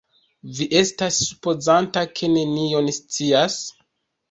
Vi estas supozanta, ke mi nenion scias?